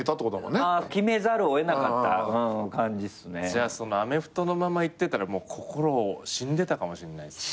じゃあそのアメフトのままいってたら心死んでたかもしんないっすね。